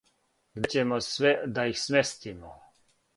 Где ћемо све да их сместимо?